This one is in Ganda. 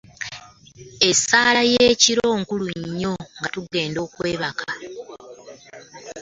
Essaala y'ekiro nkulu nnyo nga tugenda okwebaka.